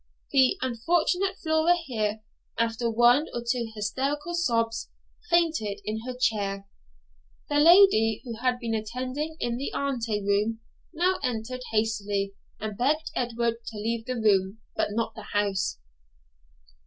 The unfortunate Flora here, after one or two hysterical sobs, fainted in her chair. The lady, who had been attending in the ante room, now entered hastily, and begged Edward to leave the room, but not the house.